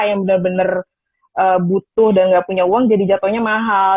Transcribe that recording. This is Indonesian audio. yang benar benar butuh dan nggak punya uang jadi jatuhnya mahal